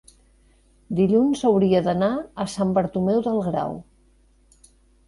dilluns hauria d'anar a Sant Bartomeu del Grau.